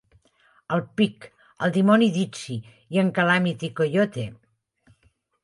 En Pig, el dimoni Dizzy i en Calamity Coyote.